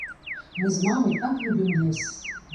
Мы з мамай так любім лес.